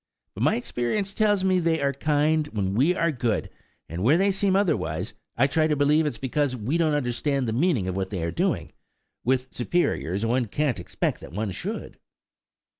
But my experience tells me they are kind when we are good; and where they seem otherwise, I try to believe it is because we don't understand the meaning of what they are doing;–with superiors one can't expect that one should."